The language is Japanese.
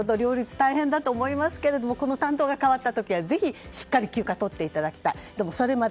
大変だと思いますが担当が変わった時はぜひ休暇をとっていただいて。